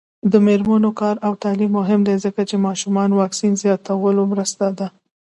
د میرمنو کار او تعلیم مهم دی ځکه چې ماشومانو واکسین زیاتولو مرسته ده.